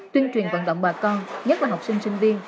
tuyên truyền vận động bà con nhất là học sinh sinh viên